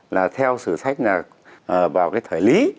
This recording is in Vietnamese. là theo sử thách vào cái thời lý